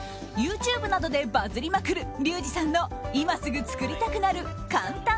ＹｏｕＴｕｂｅなどでバズりまくるリュウジさんの今すぐ作りたくなる簡単！